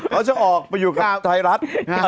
เขาจะออกไปอยู่กับไทยรัฐ